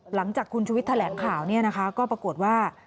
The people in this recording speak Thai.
หลังจากคุณชุวิตแถลงข่าวก็ปรากฏว่า